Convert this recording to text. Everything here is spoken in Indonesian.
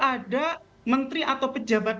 ada menteri atau pejabat